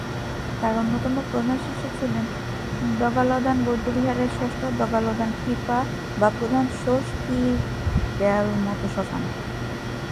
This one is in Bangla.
তার অন্যতম প্রধান শিষ্য ছিলেন দ্গা'-ল্দান বৌদ্ধবিহারের ষষ্ঠ দ্গা'-ল্দান-খ্রি-পা বা প্রধান ছোস-ক্যি-র্গ্যাল-ম্ত্শান।